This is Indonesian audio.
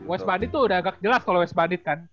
west bandit tuh udah agak jelas kalau west bandit kan